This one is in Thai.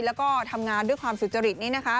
แล้วก็ทำงานด้วยความสุจริตนี้นะคะ